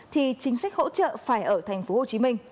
thì chính sách hỗ trợ phải ở tp hcm